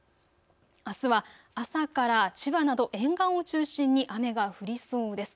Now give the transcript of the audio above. あすは朝から千葉など沿岸を中心に雨が降りそうです。